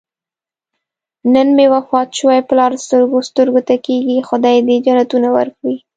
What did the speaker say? نن مې وفات شوی پلار سترګو سترګو ته کېږي. خدای دې جنتونه ورکړي.